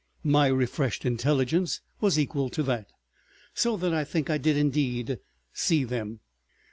My refreshed intelligence was equal to that, so that I think I did indeed see them.